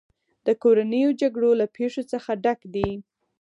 د کورنیو جګړو له پېښو څخه ډک دی.